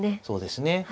そうですね。